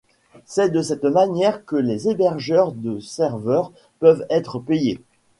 C'est de cette manière que les hébergeurs de serveur peuvent être payés.